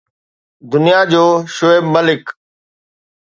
دنيا جو شعيب ملڪ